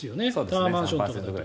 タワーマンションとかだと。